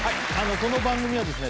この番組はですね